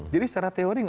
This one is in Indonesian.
jadi secara teori